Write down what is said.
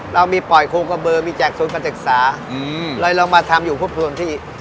เรามีปล่อยโคกระเบอร์มีแจกศูนย์การศึกษาเลยเรามาทำอยู่ครบส่วนที่